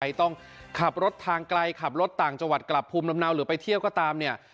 ใครต้องขับรถทางไกลขับรถต่างจวัดกลับภูมิลำนาวหรือไปเที่ยวก็ตาม